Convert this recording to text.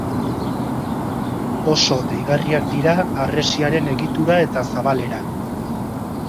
Oso deigarriak dira harresiaren egitura eta zabalera.